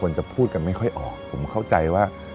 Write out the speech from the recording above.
ง่ายไม่ค่อยออกผมเข้าใจว่า